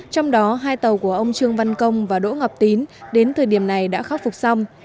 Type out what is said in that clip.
trong đó hai tàu của ông trương văn công và đỗ ngọc tín đến thời điểm này đã khắc phục xong